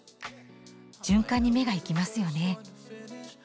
循環に目が行きますよね。